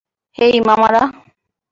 হেই, মামারা।